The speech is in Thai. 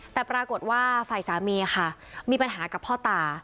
แต่ปรากฏว่าฝ่ายสามีค่ะมีปัญหากับพ่อตา